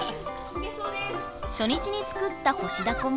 初日に作った干しダコも。